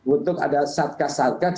untuk ada satgas satgas